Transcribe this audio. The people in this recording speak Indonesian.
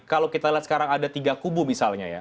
kalau kita lihat sekarang ada tiga kubu misalnya ya